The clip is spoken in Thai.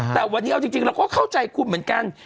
แต่วันนี้เอาจริงเราก็เข้าใจคุณเหมือนกัน